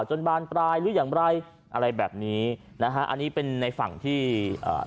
จนบานปลายหรืออย่างไรอะไรแบบนี้นะฮะอันนี้เป็นในฝั่งที่อ่า